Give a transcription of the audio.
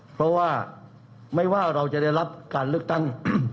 เพราะว่าไม่ว่าเราจะได้รับการเลือกตั้ง